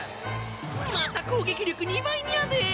また攻撃力２倍ニャで！